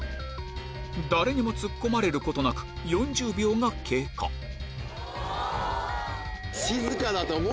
誰にもツッコまれることなく４０秒が経過春日君